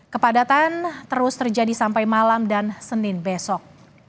kepadatan terus terjadi sampai malam dan senin besok